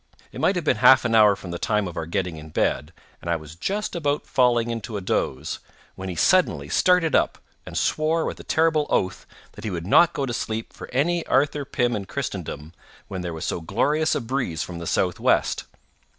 It might have been half an hour from the time of our getting in bed, and I was just about falling into a doze, when he suddenly started up, and swore with a terrible oath that he would not go to sleep for any Arthur Pym in Christendom, when there was so glorious a breeze from the southwest.